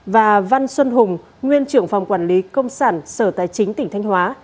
và văn xuân hùng nguyên trưởng phòng quản lý công sản sở tài chính tỉnh thanh hóa